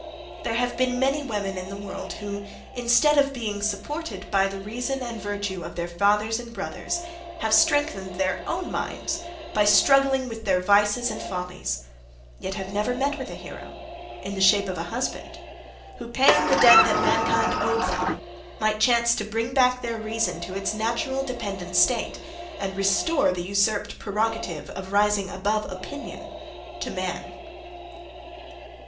There have been many women in the world who, instead of being supported by the reason and virtue of their fathers and brothers, have strengthened their own minds by struggling with their vices and follies; yet have never met with a hero, in the shape of a husband; who, paying the debt that mankind owed them, might chance to bring back their reason to its natural dependent state, and restore the usurped prerogative, of rising above opinion, to man.